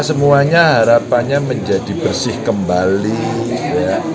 semuanya harapannya menjadi bersih kembali ya